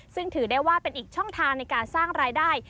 ซึ่งถือได้ว่าเป็นอีกช่องทางในการสร้างรายได้